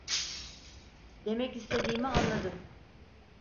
Demek istediğimi anladın.